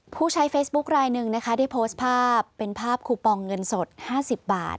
ผู้ใช้เฟซบุ๊คลายหนึ่งนะคะได้โพสต์ภาพเป็นภาพคูปองเงินสด๕๐บาท